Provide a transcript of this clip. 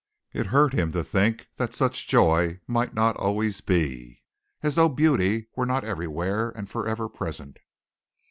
It hurt him to think that such joy might not always be, as though beauty were not everywhere and forever present.